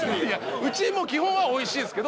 うちも基本はおいしいですけど。